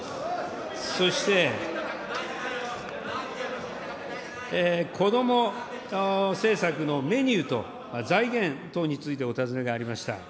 そして、こども政策のメニューと財源等についてお尋ねがありました。